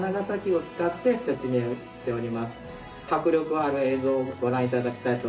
迫力ある映像をご覧頂きたいと思います。